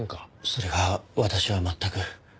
それが私は全く。